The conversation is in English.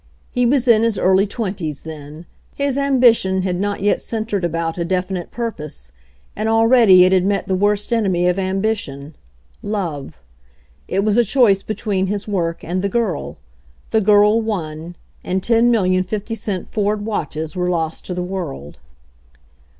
He was in his early twenties then. His ambi tion had not yet centered about a definite pur pose, and already it had met the worst enemy of ambition — love. It was a choice between his work and the girl. The girl won, and ten mil lion fifty cent Ford watches were lost to the world.